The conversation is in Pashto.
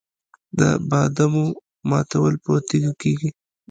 د بادامو ماتول په تیږه کیږي.